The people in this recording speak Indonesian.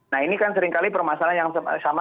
nah ini kan seringkali permasalahan yang sama